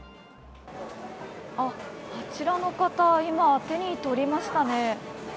あっ、あちらの方、今、手に取りましたね。